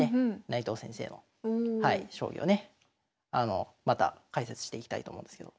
内藤先生の将棋をねまた解説していきたいと思うんですけど。